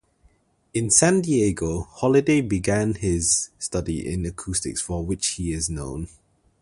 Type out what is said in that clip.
In San Diego Holliday began his study in acoustics for which he is known.